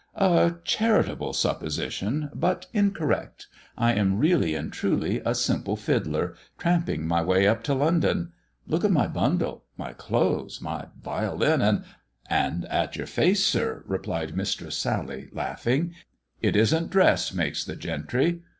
"A charitable supposition, but incorrect. I am really and truly a simple fiddler, tramping my way up to London. Look at my bundle, my clothes, my violin, and "" And at your face, sir," replied Mistress Sally, laughing. " It isn't dress makes the gentry.